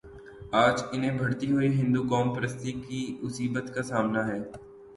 آج انہیں بڑھتی ہوئی ہندوقوم پرستی کی عصبیت کا سامنا ہے۔